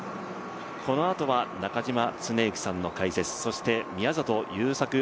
このあとは中嶋常幸さんの解説、そして宮里優作